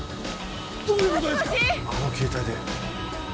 どういうことですか！？